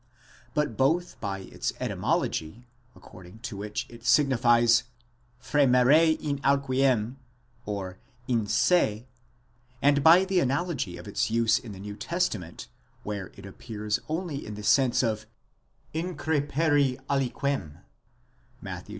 But both by its etymology, according to which it signifies fremere in aliguem or tn se, and by the analogy of its use in the New Testament, where it appears only in the sense of increpare aliquem (Matt.